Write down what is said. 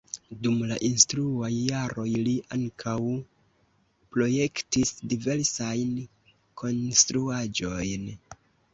Dum la instruaj jaroj li ankaŭ projektis diversajn konstruaĵojn.